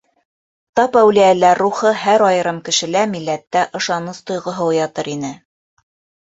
Тап әүлиәләр рухы һәр айырым кешелә, милләттә ышаныс тойғоһо уятыр ине.